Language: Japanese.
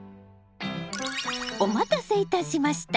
お待たせいたしました。